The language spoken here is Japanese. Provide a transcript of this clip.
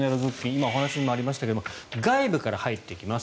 今、お話にもありましたが外部から入ってきます。